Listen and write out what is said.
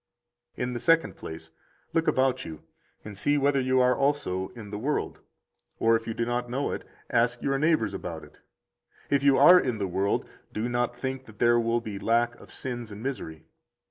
79 In the second place, look about you and see whether you are also in the world, or if you do not know it, ask your neighbors about it. If you are in the world, do not think that there will be lack of sins and misery.